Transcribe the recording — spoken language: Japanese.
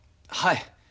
はい。